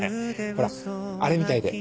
ほらあれみたいで。